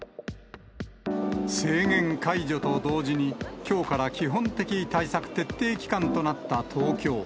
制限解除と同時に、きょうから基本的対策徹底期間となった東京。